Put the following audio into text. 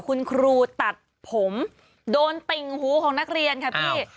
คุณครูตัดผมโดนติ่งหูของนักเรียนค่ะพี่